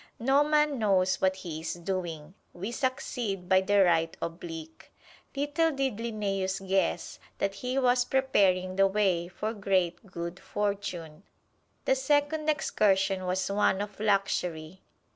No man knows what he is doing: we succeed by the right oblique. Little did Linnæus guess that he was preparing the way for great good fortune. The second excursion was one of luxury.